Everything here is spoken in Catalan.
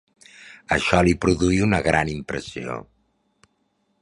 Això li produí una gran impressió.